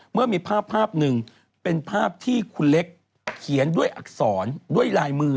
เมื่อมีภาพภาพหนึ่งเป็นภาพที่คุณเล็กเขียนด้วยอักษรด้วยลายมือ